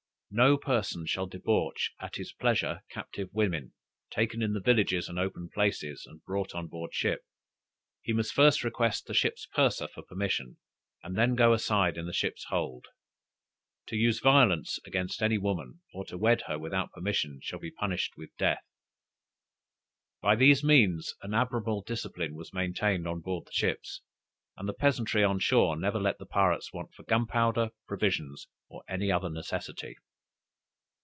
No person shall debauch at his pleasure captive women, taken in the villages and open places, and brought on board a ship; he must first request the ship's purser for permission, and then go aside in the ship's hold. To use violence, against any woman, or to wed her, without permission, shall be punished with death. By these means an admirable discipline was maintained on board the ships, and the peasantry on shore never let the pirates want for gunpowder, provisions, or any other necessary.